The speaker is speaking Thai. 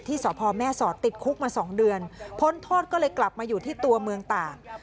สพแม่สอดติดคุกมา๒เดือนพ้นโทษก็เลยกลับมาอยู่ที่ตัวเมืองตาก